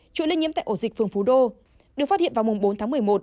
chủ linh nhiễm tại ổ dịch phường phú đô được phát hiện vào mùng bốn tháng một mươi một